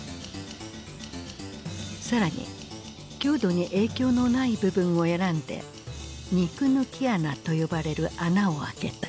更に強度に影響のない部分を選んで肉抜き穴と呼ばれる穴を開けた。